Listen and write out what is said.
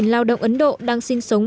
sáu trăm linh lao động ấn độ đang sinh sống